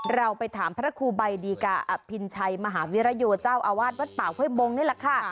เราไปถามพระครูใบดีกาอภิญชัยมหาวิรโยเจ้าอาวาสวัดป่าห้วยบงนี่แหละค่ะ